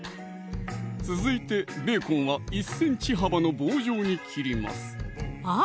続いてベーコンは１ｃｍ幅の棒状に切りますあっ！